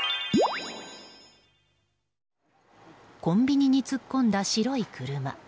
コンビニに突っ込んだ白い車。